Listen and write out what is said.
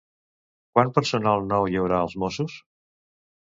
Quant personal nou hi haurà als Mossos?